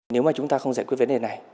nếu mà chúng ta không giải quyết vấn đề này